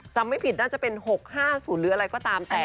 ไม่ผิดน่าจะเป็น๖๕๐หรืออะไรก็ตามแต่